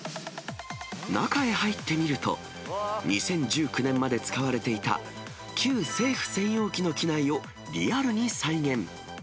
中へ入って見ると、２０１９年まで使われていた、旧政府専用機の機内をリアルに再現。